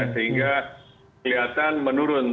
sehingga kelihatan menurun